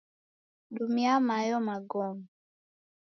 Dumia mayo magome